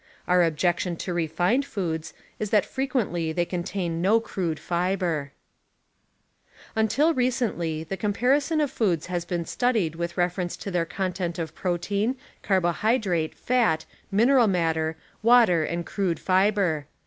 Our objection to refined foods is that frequently they con tain no crude fiber. Until recently the com))arison of foods has been studied with reference to their content of protein, carbohydrate, fat, mineral matter, water and crude fiber.